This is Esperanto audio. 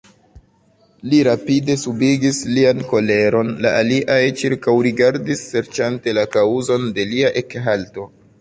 Li rapide subigis lian koleron, la aliaj ĉirkaŭrigardis serĉante la kaŭzon de lia ekhalto.